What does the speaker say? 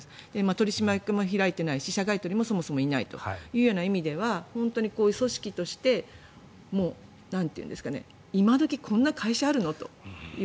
取り締まり会も開いてないし社外取もそもそもいないという意味では本当にこういう組織として今時こんな会社あるの？という。